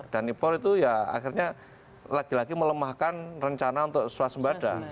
dan impor itu ya akhirnya lagi lagi melemahkan rencana untuk swasembada